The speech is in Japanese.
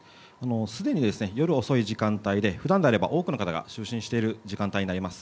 すでにですね、夜遅い時間帯でふだんならば多くの方が就寝している時間帯になります。